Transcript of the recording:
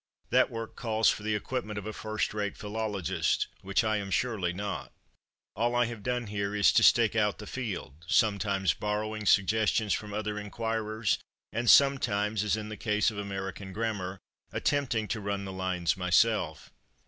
That work calls for the equipment of a first rate philologist, which I am surely not. All I have done here is to stake out the field, sometimes borrowing suggestions from other inquirers and sometimes, as in the case of American grammar, attempting to run the lines myself.